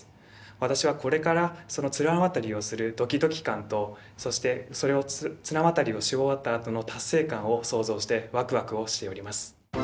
私はこれから綱渡りをするドキドキ感とそして綱渡りをし終わったあとの達成感を想像してワクワクをしております。